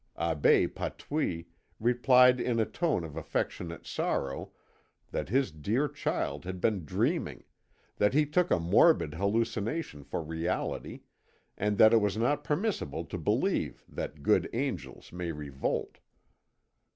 Abbé Patouille replied in a tone of affectionate sorrow that his dear child had been dreaming, that he took a morbid hallucination for reality, and that it was not permissible to believe that good angels may revolt.